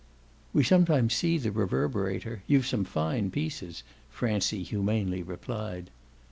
'" "We sometimes see the Reverberator. You've some fine pieces," Francie humanely replied.